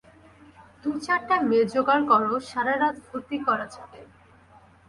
দু-চারটা মেয়ে জোগাড় কর, সারারাত ফুর্তি করা যাবে।